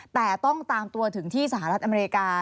แต่ต้องตามตัวถึงที่สหรัฐอเมริกา